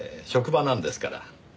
職場なんですから。